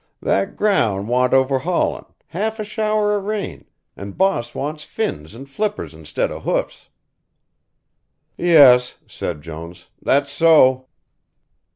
That grown' want over haulin', haff a shower o' rain, and boss wants fins and flippers instead o' hoofs." "Yes," said Jones, "that's so."